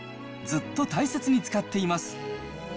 ずっと大切に使っています。